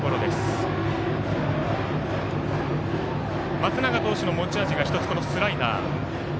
松永投手の持ち味が１つスライダー。